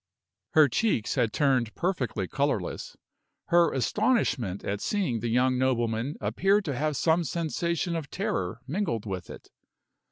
Her cheeks had turned perfectly colorless. Her astonishment at seeing the young nobleman appeared to have some sensation of terror mingled with it.